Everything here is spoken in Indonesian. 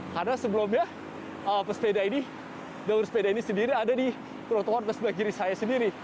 karena sebelumnya pesepeda ini jalur sepeda ini sendiri ada di trotoar dan sebelah kiri saya sendiri